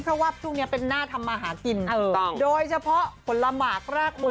เพราะว่าช่วงนี้เป็นหน้าทำมาหากินโดยเฉพาะผลหมากรากมือ